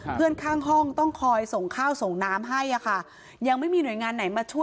เพื่อนข้างห้องต้องคอยส่งข้าวส่งน้ำให้อะค่ะยังไม่มีหน่วยงานไหนมาช่วย